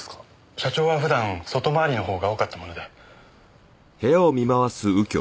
社長は普段外回りの方が多かったもので。